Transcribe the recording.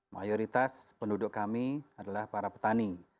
mayoritas penduduk kami adalah para petani